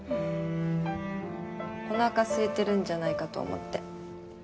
おなかすいてるんじゃないかと思って。